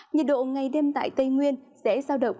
nhiệt độ ngày đêm tại tây nguyên sẽ giao động